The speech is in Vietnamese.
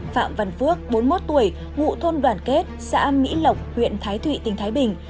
phạm văn phước bốn mươi một tuổi ngụ thôn đoàn kết xã mỹ lộc huyện thái thụy tỉnh thái bình